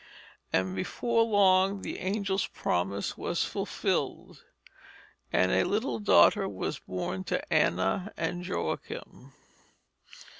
And before long the angel's promise was fulfilled, and a little daughter was born to Anna and Joachim.